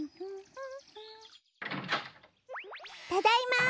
ただいま！